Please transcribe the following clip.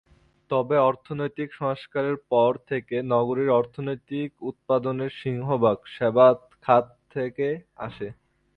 তবে অর্থনৈতিক সংস্কারের পর থেকে নগরীর অর্থনৈতিক উৎপাদনের সিংহভাগ সেবা খাত থেকে আসে।